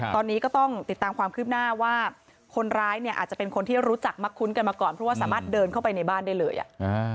ตอนนี้ก็ต้องติดตามความคืบหน้าว่าคนร้ายเนี่ยอาจจะเป็นคนที่รู้จักมักคุ้นกันมาก่อนเพราะว่าสามารถเดินเข้าไปในบ้านได้เลยอ่ะอ่า